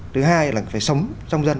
thứ hai là phải sống trong dân